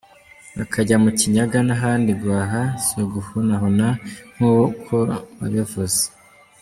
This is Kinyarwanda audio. Bakajya mu Kinyaga n’ahandi guhaha si uguhunahuna nk’uko wabivuze